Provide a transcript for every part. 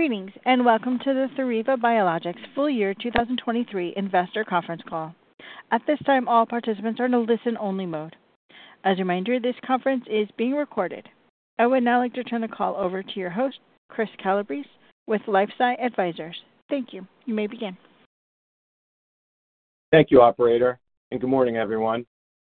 Greetings, and welcome to the Theriva Biologics Full Year 2023 Investor Conference Call. At this time, all participants are in a listen-only mode. As a reminder, this conference is being recorded. I would now like to turn the call over to your host, Chris Calabrese, with LifeSci Advisors. Thank you. You may begin. Thank you, operator, and good morning, everyone.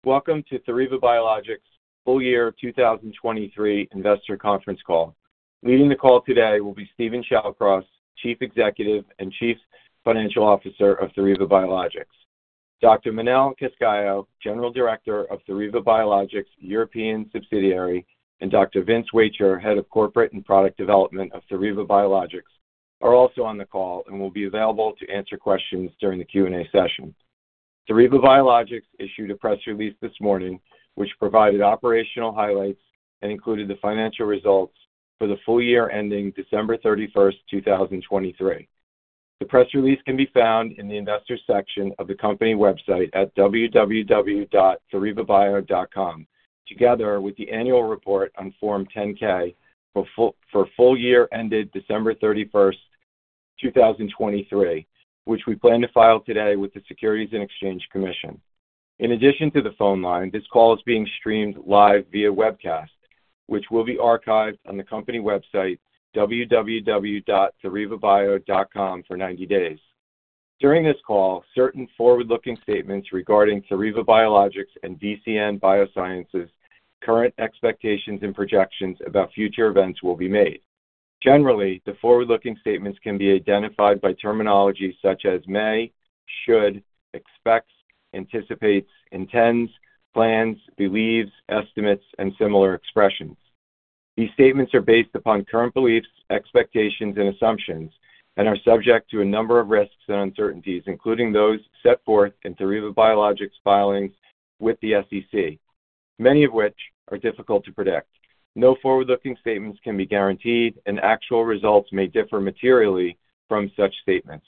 Welcome to Theriva Biologics' Full Year 2023 Investor Conference Call. Leading the call today will be Steven Shallcross, Chief Executive and Chief Financial Officer of Theriva Biologics. Dr. Manel Cascalló, General Director of Theriva Biologics' European subsidiary, and Dr. Vince Wacher, Head of Corporate and Product Development of Theriva Biologics, are also on the call and will be available to answer questions during the Q&A session. Theriva Biologics issued a press release this morning, which provided operational highlights and included the financial results for the full year ending December 31, 2023. The press release can be found in the Investors section of the company website at www.therivabio.com, together with the annual report on Form 10-K for full year ended December 31, 2023, which we plan to file today with the Securities and Exchange Commission. In addition to the phone line, this call is being streamed live via webcast, which will be archived on the company website, www.therivabio.com, for 90 days. During this call, certain forward-looking statements regarding Theriva Biologics and VCN Biosciences' current expectations and projections about future events will be made. Generally, the forward-looking statements can be identified by terminology such as may, should, expects, anticipates, intends, plans, believes, estimates, and similar expressions. These statements are based upon current beliefs, expectations, and assumptions and are subject to a number of risks and uncertainties, including those set forth in Theriva Biologics' filings with the SEC, many of which are difficult to predict. No forward-looking statements can be guaranteed, and actual results may differ materially from such statements.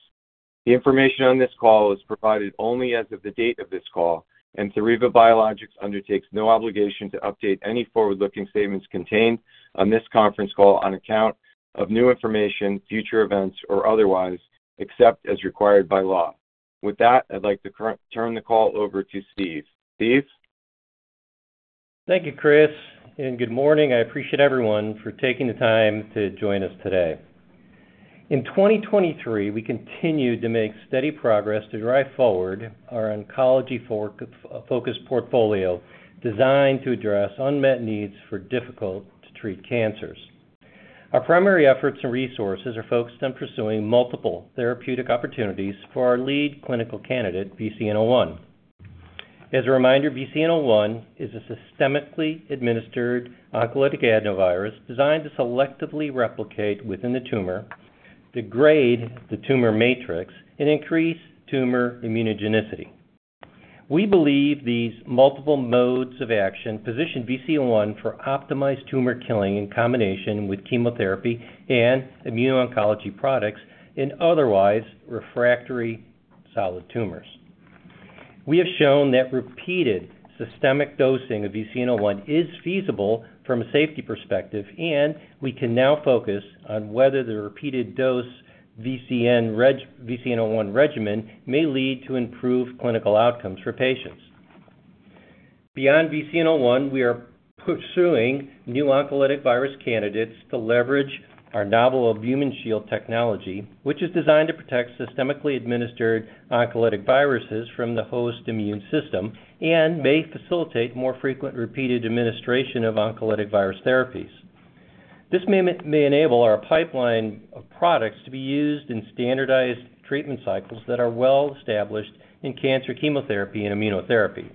The information on this call is provided only as of the date of this call, and Theriva Biologics undertakes no obligation to update any forward-looking statements contained on this conference call on account of new information, future events, or otherwise, except as required by law. With that, I'd like to turn the call over to Steve. Steve? Thank you, Chris, and good morning. I appreciate everyone for taking the time to join us today. In 2023, we continued to make steady progress to drive forward our oncology focus portfolio, designed to address unmet needs for difficult-to-treat cancers. Our primary efforts and resources are focused on pursuing multiple therapeutic opportunities for our lead clinical candidate, VCN-01. As a reminder, VCN-01 is a systemically administered oncolytic adenovirus designed to selectively replicate within the tumor, degrade the tumor matrix and increase tumor immunogenicity. We believe these multiple modes of action position VCN-01 for optimized tumor killing in combination with chemotherapy and immuno-oncology products in otherwise refractory solid tumors. We have shown that repeated systemic dosing of VCN-01 is feasible from a safety perspective, and we can now focus on whether the repeated dose VCN-01 regimen may lead to improved clinical outcomes for patients. Beyond VCN-01, we are pursuing new oncolytic virus candidates to leverage our novel AlbuminShield technology, which is designed to protect systemically administered oncolytic viruses from the host immune system and may facilitate more frequent repeated administration of oncolytic virus therapies. This may enable our pipeline of products to be used in standardized treatment cycles that are well established in cancer, chemotherapy, and immunotherapy.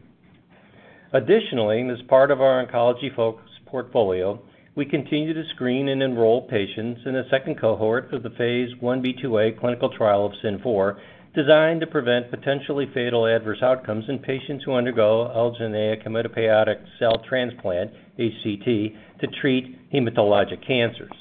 Additionally, as part of our oncology focus portfolio, we continue to screen and enroll patients in a second cohort for the Phase 1b/2a clinical trial of SYN-004, designed to prevent potentially fatal adverse outcomes in patients who undergo allogeneic hematopoietic cell transplant, HCT, to treat hematologic cancers.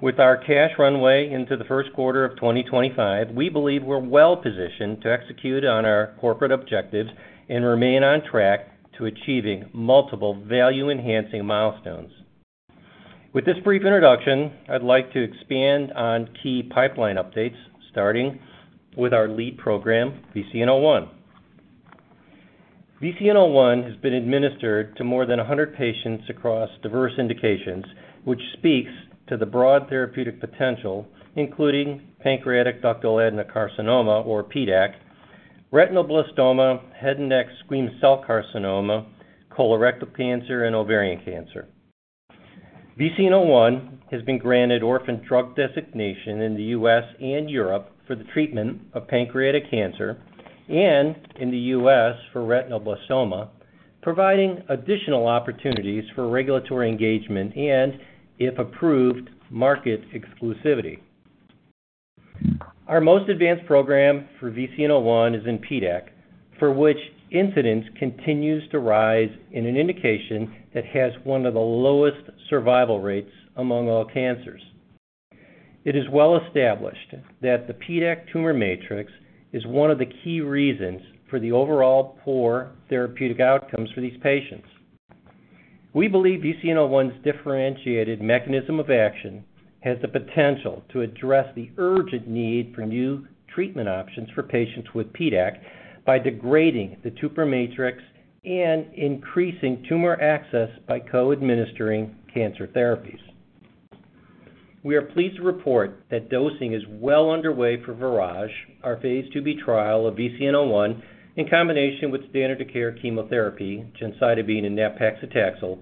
With our cash runway into the first quarter of 2025, we believe we're well positioned to execute on our corporate objectives and remain on track to achieving multiple value-enhancing milestones. With this brief introduction, I'd like to expand on key pipeline updates, starting with our lead program, VCN-01. VCN-01 has been administered to more than 100 patients across diverse indications, which speaks to the broad therapeutic potential, including pancreatic ductal adenocarcinoma, or PDAC, retinoblastoma, head and neck squamous cell carcinoma, colorectal cancer, and ovarian cancer. VCN-01 has been granted orphan drug designation in the U.S. and Europe for the treatment of pancreatic cancer and in the U.S. for retinoblastoma, providing additional opportunities for regulatory engagement and, if approved, market exclusivity. Our most advanced program for VCN-01 is in PDAC, for which incidence continues to rise in an indication that has one of the lowest survival rates among all cancers. It is well established that the PDAC tumor matrix is one of the key reasons for the overall poor therapeutic outcomes for these patients.... We believe VCN-01's differentiated mechanism of action has the potential to address the urgent need for new treatment options for patients with PDAC by degrading the tumor matrix and increasing tumor access by co-administering cancer therapies. We are pleased to report that dosing is well underway for VIRAGE, our Phase 2b trial of VCN-01, in combination with standard of care chemotherapy, gemcitabine and nab-paclitaxel,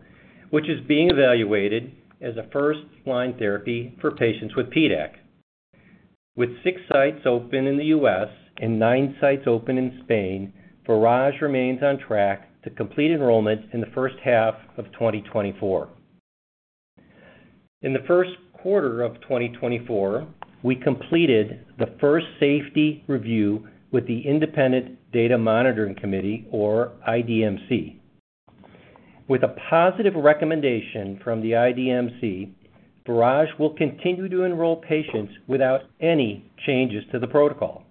which is being evaluated as a first-line therapy for patients with PDAC. With 6 sites open in the U.S. and 9 sites open in Spain, VIRAGE remains on track to complete enrollment in the first half of 2024. In the first quarter of 2024, we completed the first safety review with the Independent Data Monitoring Committee, or IDMC. With a positive recommendation from the IDMC, VIRAGE will continue to enroll patients without any changes to the protocol.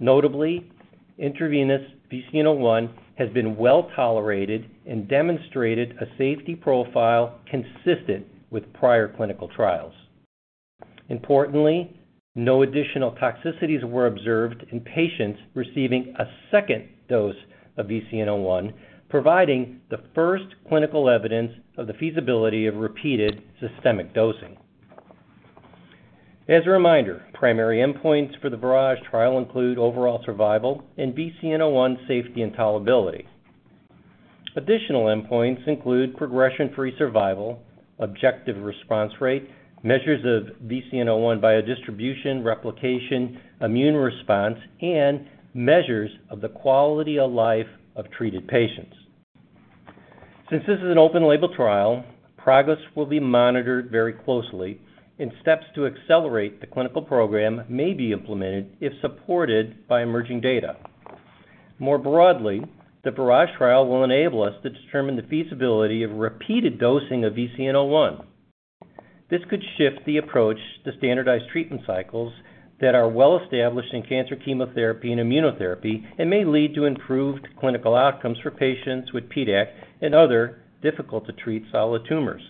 Notably, intravenous VCN-01 has been well-tolerated and demonstrated a safety profile consistent with prior clinical trials. Importantly, no additional toxicities were observed in patients receiving a second dose of VCN-01, providing the first clinical evidence of the feasibility of repeated systemic dosing. As a reminder, primary endpoints for the VIRAGE trial include overall survival and VCN-01 safety and tolerability. Additional endpoints include progression-free survival, objective response rate, measures of VCN-01 biodistribution, replication, immune response, and measures of the quality of life of treated patients. Since this is an open-label trial, progress will be monitored very closely, and steps to accelerate the clinical program may be implemented if supported by emerging data. More broadly, the VIRAGE trial will enable us to determine the feasibility of repeated dosing of VCN-01. This could shift the approach to standardized treatment cycles that are well-established in cancer, chemotherapy, and immunotherapy, and may lead to improved clinical outcomes for patients with PDAC and other difficult-to-treat solid tumors.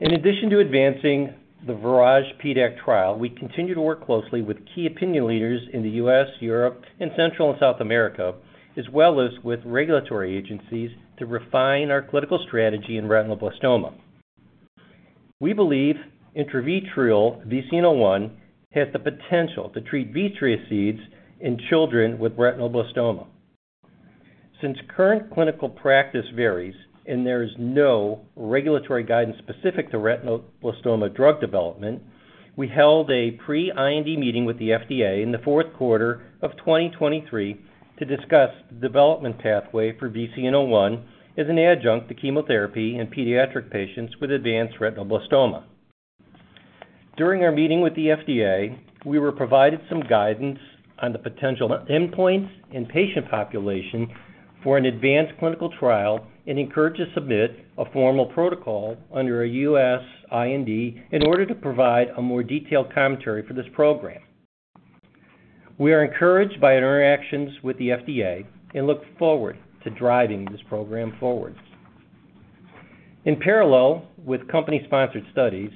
In addition to advancing the VIRAGE PDAC trial, we continue to work closely with key opinion leaders in the US, Europe, and Central and South America, as well as with regulatory agencies, to refine our clinical strategy in retinoblastoma. We believe intravitreal VCN-01 has the potential to treat vitreous seeds in children with retinoblastoma. Since current clinical practice varies and there is no regulatory guidance specific to retinoblastoma drug development, we held a pre-IND meeting with the FDA in the fourth quarter of 2023 to discuss the development pathway for VCN-01 as an adjunct to chemotherapy in pediatric patients with advanced retinoblastoma. During our meeting with the FDA, we were provided some guidance on the potential endpoints and patient population for an advanced clinical trial and encouraged to submit a formal protocol under a U.S. IND in order to provide a more detailed commentary for this program. We are encouraged by interactions with the FDA and look forward to driving this program forward. In parallel with company-sponsored studies,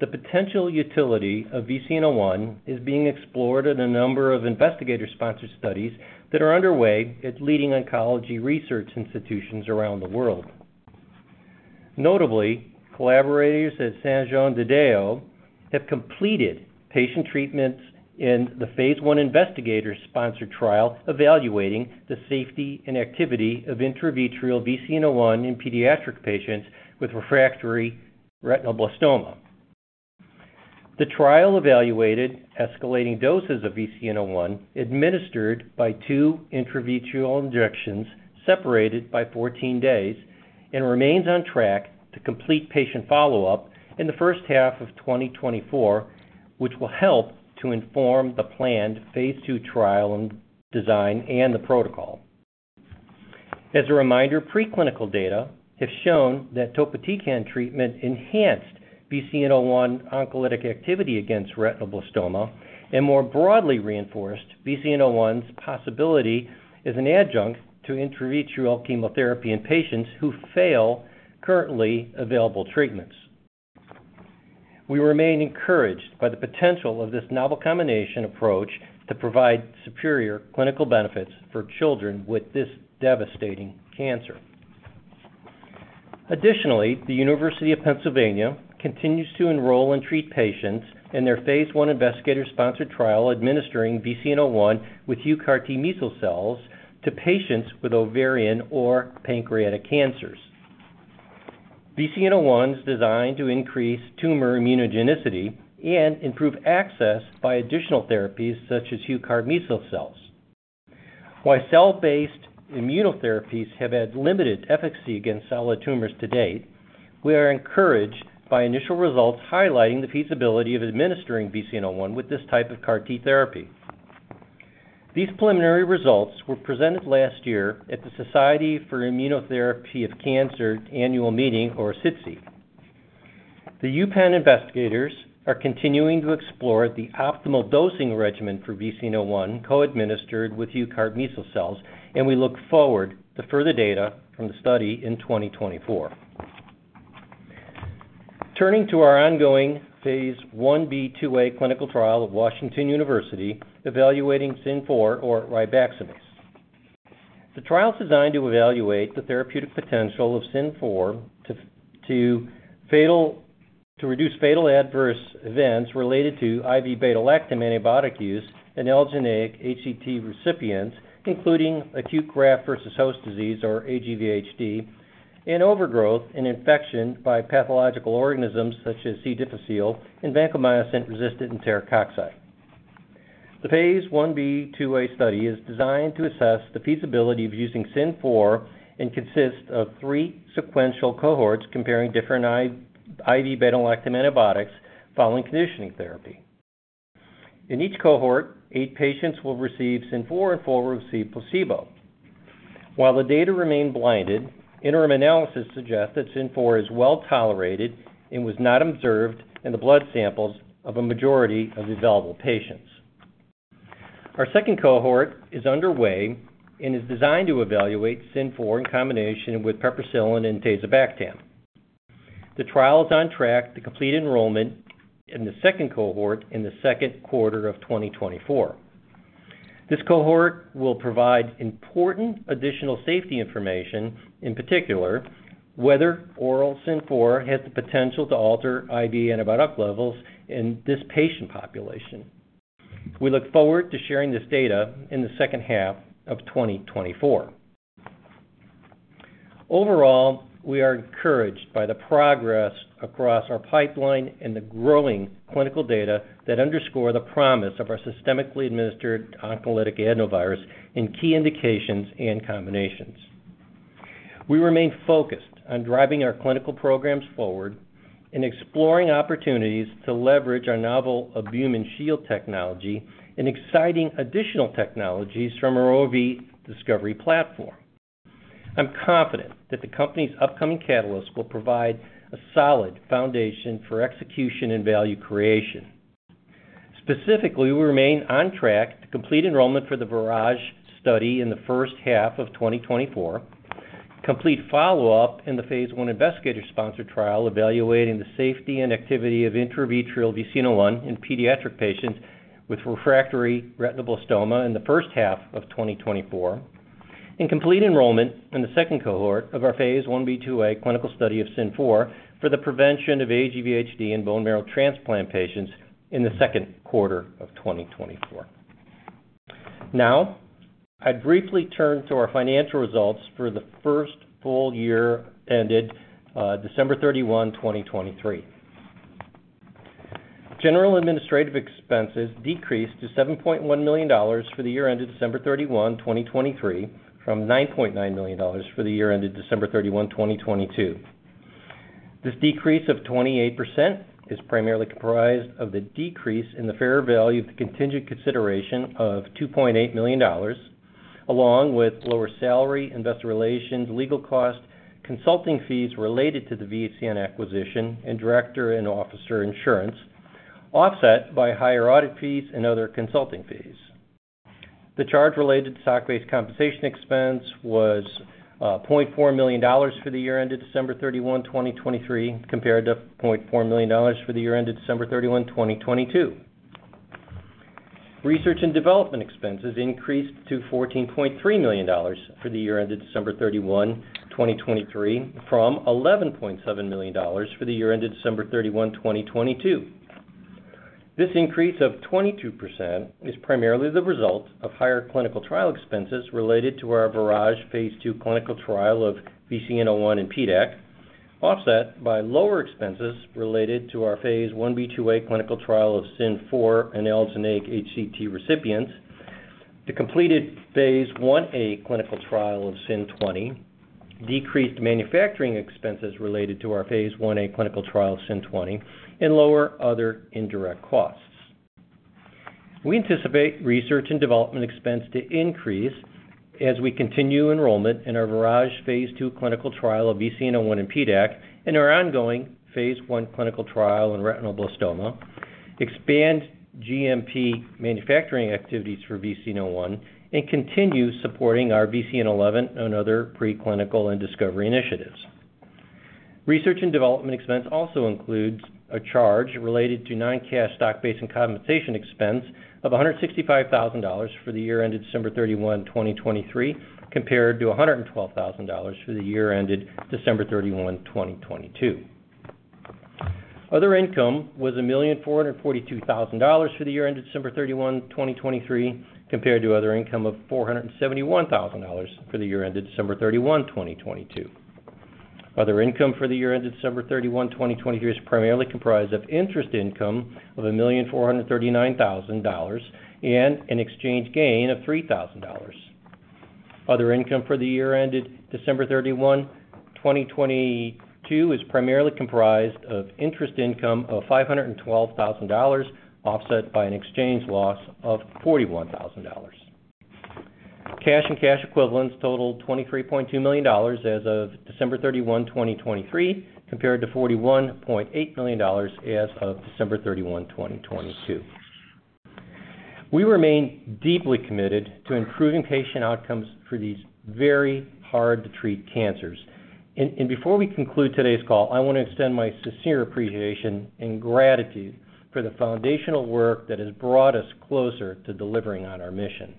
the potential utility of VCN-01 is being explored in a number of investigator-sponsored studies that are underway at leading oncology research institutions around the world. Notably, collaborators at Hospital Sant Joan de Déu have completed patient treatments in the Phase 1 investigator-sponsored trial, evaluating the safety and activity of intravitreal VCN-01 in pediatric patients with refractory retinoblastoma. The trial evaluated escalating doses of VCN-01 administered by two intravitreal injections separated by 14 days and remains on track to complete patient follow-up in the first half of 2024, which will help to inform the planned Phase 2 trial design and the protocol. As a reminder, preclinical data have shown that topotecan treatment enhanced VCN-01 oncolytic activity against retinoblastoma and more broadly reinforced VCN-01's possibility as an adjunct to intravitreal chemotherapy in patients who fail currently available treatments. We remain encouraged by the potential of this novel combination approach to provide superior clinical benefits for children with this devastating cancer. Additionally, the University of Pennsylvania continues to enroll and treat patients in their Phase 1 investigator-sponsored trial, administering VCN-01 with huCART-meso cells to patients with ovarian or pancreatic cancers. VCN-01 is designed to increase tumor immunogenicity and improve access by additional therapies such as huCART-meso cells. While cell-based immunotherapies have had limited efficacy against solid tumors to date, we are encouraged by initial results highlighting the feasibility of administering VCN-01 with this type of CAR T therapy. These preliminary results were presented last year at the Society for Immunotherapy of Cancer Annual Meeting, or SITC. The UPenn investigators are continuing to explore the optimal dosing regimen for VCN-01, co-administered with huCART-meso cells, and we look forward to further data from the study in 2024. Turning to our ongoing Phase 1b/2a clinical trial of Washington University, evaluating SYN-004 or ribaxamase. The trial is designed to evaluate the therapeutic potential of SYN-004 to reduce fatal adverse events related to IV beta-lactam antibiotic use in allogeneic HCT recipients, including acute graft versus host disease or aGvHD, and overgrowth and infection by pathological organisms such as C. difficile and vancomycin-resistant Enterococci. The Phase 1b/2a study is designed to assess the feasibility of using SYN-004 and consists of three sequential cohorts comparing different IV beta-lactam antibiotics following conditioning therapy. In each cohort, eight patients will receive SYN-004 and four will receive placebo. While the data remain blinded, interim analysis suggests that SYN-004 is well-tolerated and was not observed in the blood samples of a majority of available patients. Our second cohort is underway and is designed to evaluate SYN-004 in combination with piperacillin and tazobactam. The trial is on track to complete enrollment in the second cohort in the second quarter of 2024. This cohort will provide important additional safety information, in particular, whether oral SYN-004 has the potential to alter IV antibiotic levels in this patient population. We look forward to sharing this data in the second half of 2024. Overall, we are encouraged by the progress across our pipeline and the growing clinical data that underscore the promise of our systemically administered oncolytic adenovirus in key indications and combinations. We remain focused on driving our clinical programs forward and exploring opportunities to leverage our novel AlbuminShield technology and exciting additional technologies from our ROV discovery platform. I'm confident that the company's upcoming catalyst will provide a solid foundation for execution and value creation. Specifically, we remain on track to complete enrollment for the VIRAGE study in the first half of 2024, complete follow-up in the Phase 1 investigator-sponsored trial, evaluating the safety and activity of intravitreal VCN-01 in pediatric patients with refractory retinoblastoma in the first half of 2024, and complete enrollment in the second cohort of our Phase 1b/2a clinical study of SYN-004 for the prevention of aGvHD in bone marrow transplant patients in the second quarter of 2024. Now, I briefly turn to our financial results for the first full year ended December 31, 2023. General administrative expenses decreased to $7.1 million for the year ended December 31, 2023, from $9.9 million for the year ended December 31, 2022. This decrease of 28% is primarily comprised of the decrease in the fair value of the contingent consideration of $2.8 million, along with lower salary, investor relations, legal costs, consulting fees related to the VCN acquisition, and director and officer insurance, offset by higher audit fees and other consulting fees. The charge related to stock-based compensation expense was $0.4 million for the year ended December 31, 2023, compared to $0.4 million for the year ended December 31, 2022. Research and development expenses increased to $14.3 million for the year ended December 31, 2023, from $11.7 million for the year ended December 31, 2022. This increase of 22% is primarily the result of higher clinical trial expenses related to our VIRAGE Phase 2 clinical trial of VCN-01 in PDAC, offset by lower expenses related to our Phase 1b/2a clinical trial of SYN-004 in allogeneic HCT recipients. The completed Phase 1a clinical trial of SYN-020, decreased manufacturing expenses related to our Phase 1a clinical trial of SYN-020, and lower other indirect costs. We anticipate research and development expense to increase as we continue enrollment in our VIRAGE Phase 2 clinical trial of VCN-01 in PDAC, and our ongoing Phase 1 clinical trial in retinoblastoma, expand GMP manufacturing activities for VCN-01, and continue supporting our VCN-11 and other preclinical and discovery initiatives. Research and development expense also includes a charge related to non-cash stock-based and compensation expense of $165,000 for the year ended December 31, 2023, compared to $112,000 for the year ended December 31, 2022. Other income was $1,442,000 for the year ended December 31, 2023, compared to other income of $471,000 for the year ended December 31, 2022. Other income for the year ended December 31, 2023, is primarily comprised of interest income of $1,439,000, and an exchange gain of $3,000. Other income for the year ended December 31, 2022, is primarily comprised of interest income of $512,000, offset by an exchange loss of $41,000.... Cash and cash equivalents totaled $23.2 million as of December 31, 2023, compared to $41.8 million as of December 31, 2022. We remain deeply committed to improving patient outcomes for these very hard-to-treat cancers. And before we conclude today's call, I want to extend my sincere appreciation and gratitude for the foundational work that has brought us closer to delivering on our mission.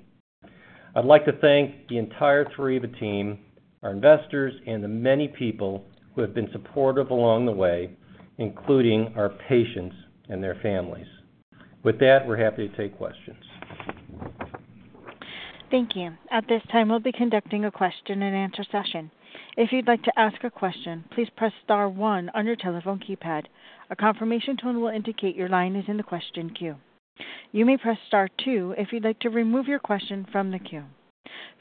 I'd like to thank the entire Theriva team, our investors, and the many people who have been supportive along the way, including our patients and their families. With that, we're happy to take questions. Thank you. At this time, we'll be conducting a question-and-answer session. If you'd like to ask a question, please press star one on your telephone keypad. A confirmation tone will indicate your line is in the question queue. You may press star two if you'd like to remove your question from the queue.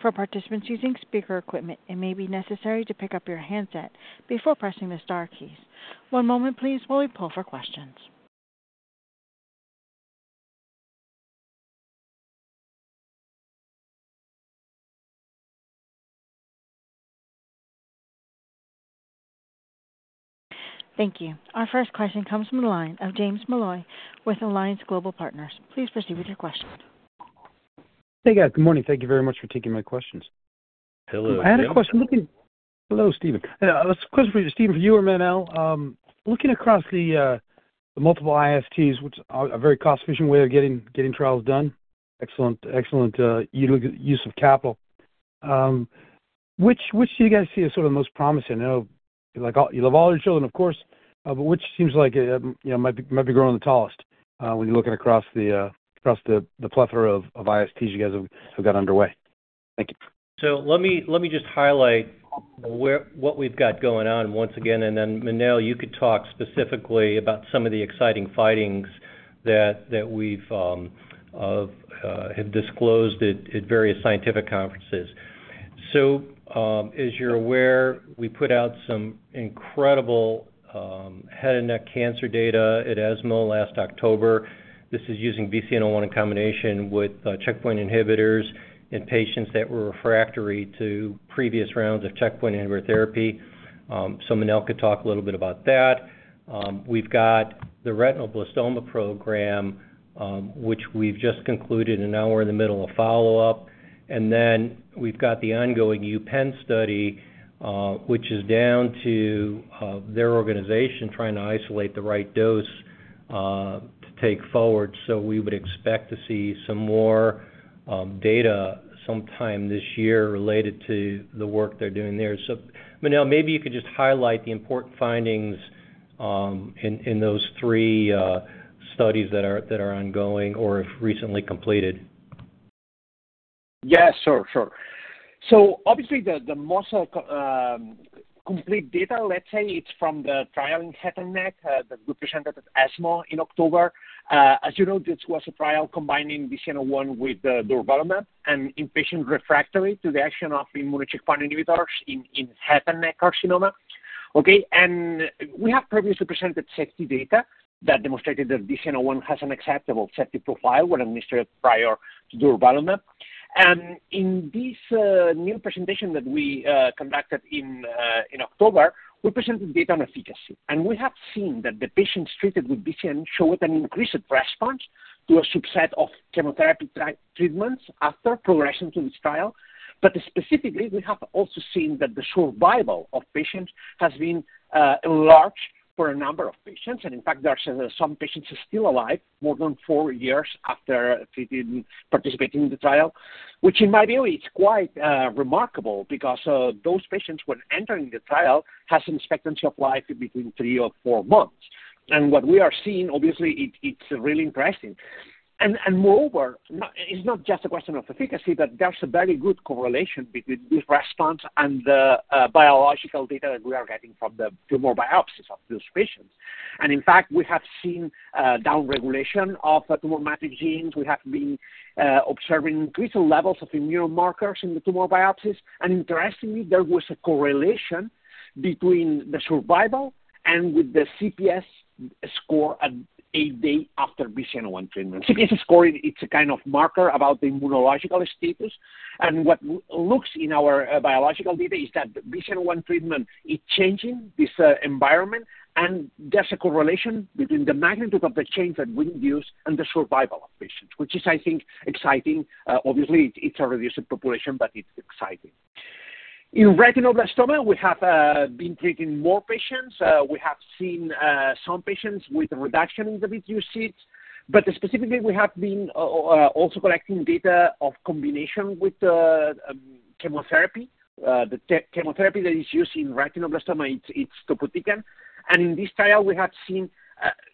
For participants using speaker equipment, it may be necessary to pick up your handset before pressing the star keys. One moment please while we pull for questions. Thank you. Our first question comes from the line of James Molloy with Alliance Global Partners. Please proceed with your question. Hey, guys. Good morning. Thank you very much for taking my questions. Hello, James. I had a question. Hello, Steven. This question for you, Steven, for you or Manel. Looking across the multiple ISTs, which are a very cost-efficient way of getting, getting trials done, excellent, excellent use of capital. Which do you guys see as sort of most promising? I know you like all you love all your children, of course, but which seems like you know might be, might be growing the tallest when you're looking across the across the plethora of ISTs you guys have, have got underway? Thank you. So let me just highlight what we've got going on once again, and then, Manel, you could talk specifically about some of the exciting findings that we've have disclosed at various scientific conferences. So, as you're aware, we put out some incredible head and neck cancer data at ESMO last October. This is using VCN-01 in combination with checkpoint inhibitors in patients that were refractory to previous rounds of checkpoint inhibitor therapy. So Manel could talk a little bit about that. We've got the retinoblastoma program, which we've just concluded, and now we're in the middle of follow-up. And then we've got the ongoing UPenn study, which is down to their organization trying to isolate the right dose to take forward. So we would expect to see some more data sometime this year related to the work they're doing there. So, Manel, maybe you could just highlight the important findings in those three studies that are ongoing or have recently completed. Yeah, sure, sure. So obviously, the most complete data, let's say, it's from the trial in head and neck that we presented at ESMO in October. As you know, this was a trial combining VCN-01 with durvalumab and in patients refractory to the action of immune checkpoint inhibitors in head and neck carcinoma. Okay, and we have previously presented safety data that demonstrated that VCN-01 has an acceptable safety profile when administered prior to durvalumab. And in this new presentation that we conducted in October, we presented data on efficacy, and we have seen that the patients treated with VCN-01 showed an increased response to a subset of chemotherapy treatments after progression to this trial. But specifically, we have also seen that the survival of patients has been enlarged for a number of patients, and in fact, there are some patients are still alive more than four years after participating in the trial. Which in my view is quite remarkable because those patients, when entering the trial, has an expectancy of life between three or four months. And what we are seeing, obviously, it's really impressive. And moreover, it's not just a question of efficacy, but there's a very good correlation between this response and the biological data that we are getting from the tumor biopsies of those patients. And in fact, we have seen downregulation of the tumor marker genes. We have been observing increased levels of immunomarkers in the tumor biopsies, and interestingly, there was a correlation between the survival and with the CPS score at 8 day after VCN-01 treatment. CPS score, it's a kind of marker about the immunological status, and what looks in our biological data is that the VCN-01 treatment is changing this environment, and there's a correlation between the magnitude of the change that we induce and the survival of patients, which is, I think, exciting. Obviously, it's a reduced population, but it's exciting. In retinoblastoma, we have been treating more patients. We have seen some patients with a reduction in the disease, but specifically, we have been also collecting data of combination with the chemotherapy. The chemotherapy that is used in retinoblastoma, it's topotecan. And in this trial, we have seen,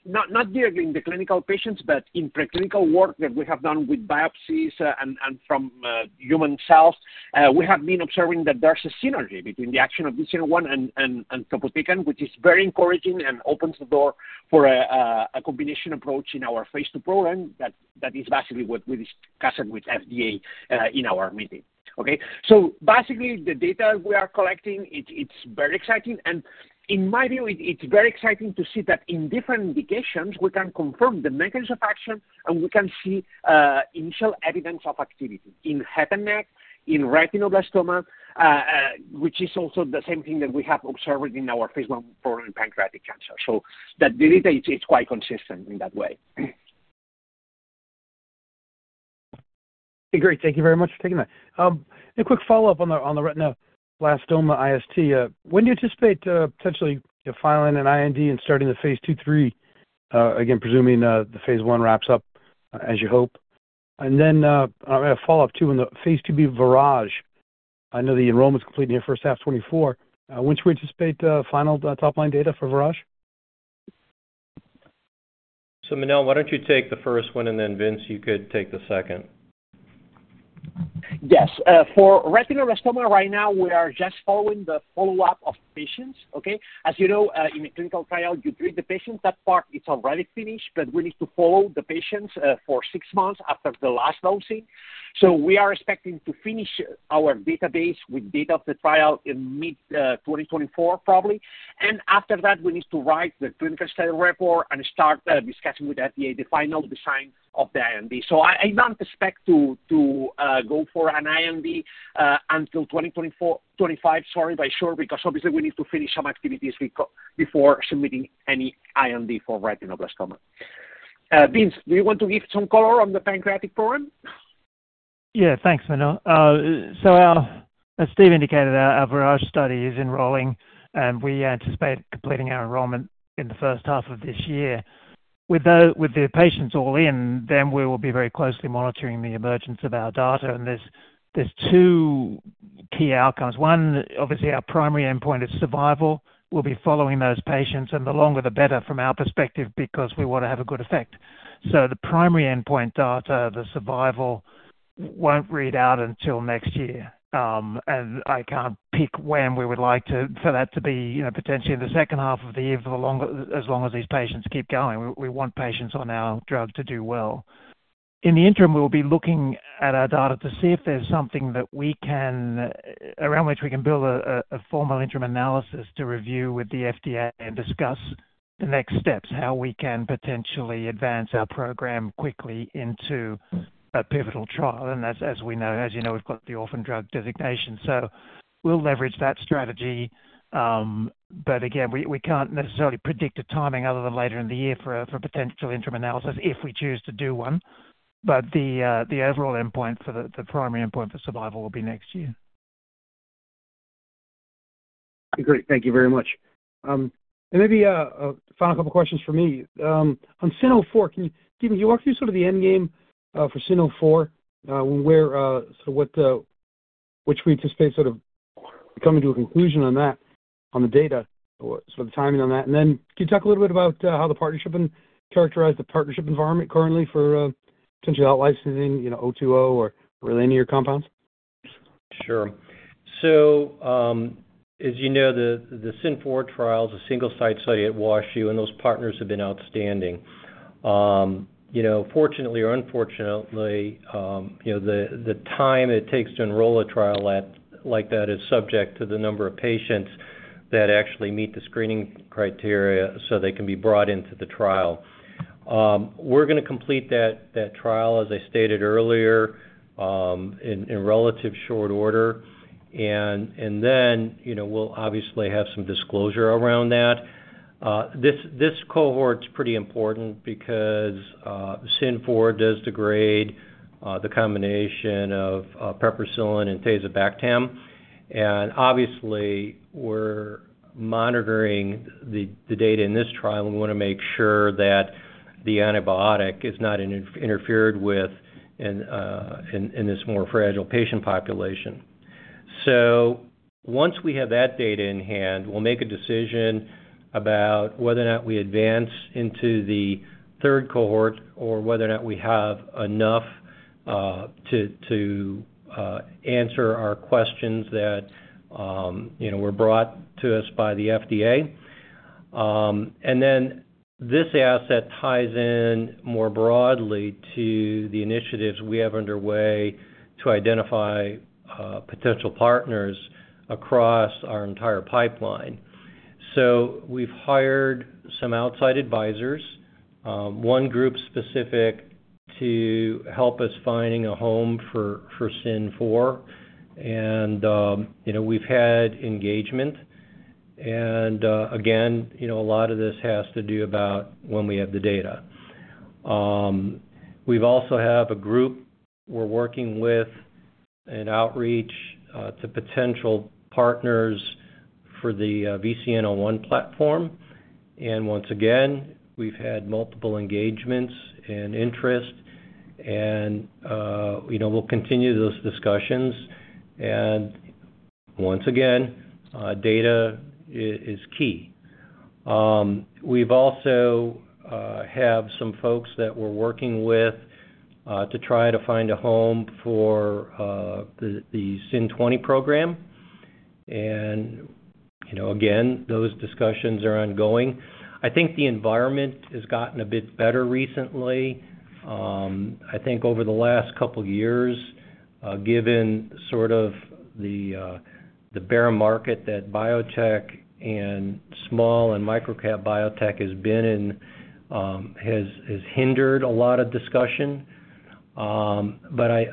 not directly in the clinical patients, but in preclinical work that we have done with biopsies, and from human cells, we have been observing that there's a synergy between the action of VCN-01 and topotecan, which is very encouraging and opens the door for a combination approach in our Phase II program. That is basically what we discussed with FDA in our meeting. Okay, so basically, the data we are collecting, it's very exciting. And in my view, it's very exciting to see that in different indications, we can confirm the mechanisms of action, and we can see initial evidence of activity in head and neck, in retinoblastoma, which is also the same thing that we have observed in our Phase I program in pancreatic cancer. So the data, it's quite consistent in that way.... Hey, great. Thank you very much for taking that. A quick follow-up on the retinoblastoma IST. When do you anticipate potentially filing an IND and starting the Phase 2/3, again, presuming the Phase 1 wraps up as you hope? And then, I'm gonna follow up, too, on the Phase 2b VIRAGE. I know the enrollment's completing in your first half 2024. When do you anticipate final top-line data for VIRAGE? Manel, why don't you take the first one, and then, Vince, you could take the second. Yes, for retinoblastoma, right now, we are just following the follow-up of patients, okay? As you know, in a clinical trial, you treat the patient. That part is already finished, but we need to follow the patients, for six months after the last dosing. So we are expecting to finish our database with data of the trial in mid-2024, probably. And after that, we need to write the clinical study report and start, discussing with the FDA, the final design of the IND. So I don't expect to go for an IND, until 2024-2025, sorry, for sure, because obviously, we need to finish some activities before submitting any IND for retinoblastoma. Vince, do you want to give some color on the pancreatic program? Yeah. Thanks, Manel. So, as Steve indicated, our VIRAGE study is enrolling, and we anticipate completing our enrollment in the first half of this year. With the patients all in, then we will be very closely monitoring the emergence of our data. And there's two key outcomes. One, obviously, our primary endpoint is survival. We'll be following those patients, and the longer, the better from our perspective, because we want to have a good effect. So the primary endpoint data, the survival, won't read out until next year. And I can't pick when we would like to—for that to be, you know, potentially in the second half of the year, for the longer, as long as these patients keep going. We want patients on our drug to do well. In the interim, we'll be looking at our data to see if there's something that we can around which we can build a formal interim analysis to review with the FDA and discuss the next steps, how we can potentially advance our program quickly into a pivotal trial. And as we know, as you know, we've got the orphan drug designation, so we'll leverage that strategy. But again, we can't necessarily predict a timing other than later in the year for a potential interim analysis if we choose to do one. But the overall endpoint for the primary endpoint for survival will be next year. Great. Thank you very much. And maybe a final couple of questions for me. On SYN-004, can, Steve, can you walk through sort of the end game for SYN-004, where, so what, which we anticipate sort of coming to a conclusion on that, on the data, or so the timing on that? And then can you talk a little bit about how the partnership and characterize the partnership environment currently for potentially out licensing, you know, SYN-020 or really any of your compounds? Sure. So, as you know, the SYN-004 trial is a single-site study at WashU, and those partners have been outstanding. You know, fortunately or unfortunately, you know, the time it takes to enroll a trial like that is subject to the number of patients that actually meet the screening criteria, so they can be brought into the trial. We're gonna complete that trial, as I stated earlier, in relative short order, and then, you know, we'll obviously have some disclosure around that. This cohort's pretty important because SYN-004 does degrade the combination of piperacillin and tazobactam. And obviously, we're monitoring the data in this trial, and we wanna make sure that the antibiotic is not interfered with in this more fragile patient population. So once we have that data in hand, we'll make a decision about whether or not we advance into the third cohort or whether or not we have enough to answer our questions that, you know, were brought to us by the FDA. And then this asset ties in more broadly to the initiatives we have underway to identify potential partners across our entire pipeline. So we've hired some outside advisors, one group specific to help us finding a home for SYN-004, and, you know, we've had engagement. And, again, you know, a lot of this has to do about when we have the data. We've also have a group we're working with in outreach to potential partners for the VCN-01 platform. Once again, we've had multiple engagements and interest, and, you know, we'll continue those discussions. Once again, data is key. We've also have some folks that we're working with to try to find a home for the SYN-20 program, and, you know, again, those discussions are ongoing. I think the environment has gotten a bit better recently. I think over the last couple of years, given sort of the bear market that biotech and small and microcap biotech has been in, has hindered a lot of discussion. But I,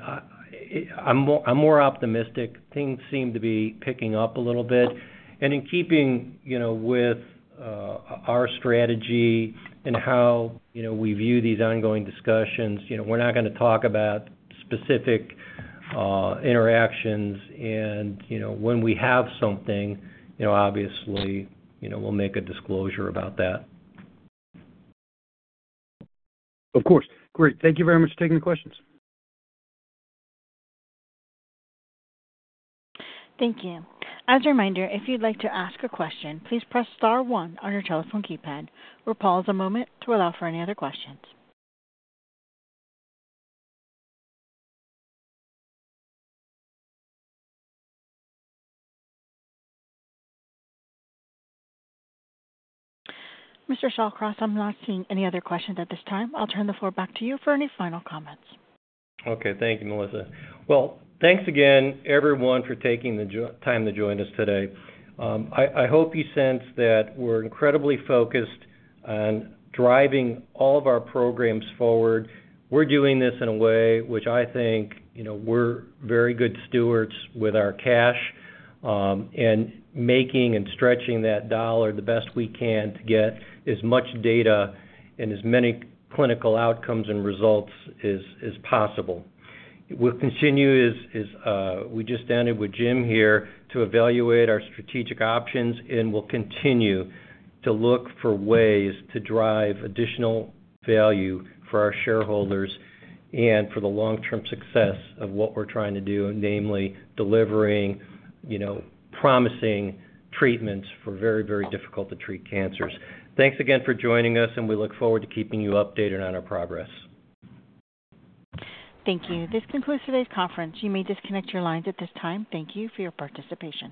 I'm more optimistic. Things seem to be picking up a little bit. In keeping, you know, with our strategy and how, you know, we view these ongoing discussions. You know, we're not gonna talk about specific, interactions, and, you know, when we have something, you know, obviously, you know, we'll make a disclosure about that. Of course. Great. Thank you very much for taking the questions. Thank you. As a reminder, if you'd like to ask a question, please press star one on your telephone keypad. We'll pause a moment to allow for any other questions. Mr. Shallcross, I'm not seeing any other questions at this time. I'll turn the floor back to you for any final comments. Okay. Thank you, Melissa. Well, thanks again, everyone, for taking the time to join us today. I hope you sense that we're incredibly focused on driving all of our programs forward. We're doing this in a way which I think, you know, we're very good stewards with our cash, and making and stretching that dollar the best we can to get as much data and as many clinical outcomes and results as possible. We'll continue, as we just ended with Jim here, to evaluate our strategic options, and we'll continue to look for ways to drive additional value for our shareholders and for the long-term success of what we're trying to do, namely delivering, you know, promising treatments for very, very difficult-to-treat cancers. Thanks again for joining us, and we look forward to keeping you updated on our progress. Thank you. This concludes today's conference. You may disconnect your lines at this time. Thank you for your participation.